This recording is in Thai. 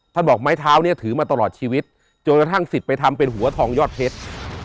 บอกไม้เท้าเนี่ยถือมาตลอดชีวิตจนกระทั่งสิทธิ์ไปทำเป็นหัวทองยอดเพชร